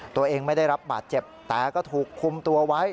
ไม่ได้รับบาดเจ็บแต่ก็ถูกคุมตัวไว้